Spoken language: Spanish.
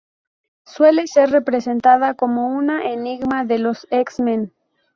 Suele ser representada como una enemiga de los X-Men.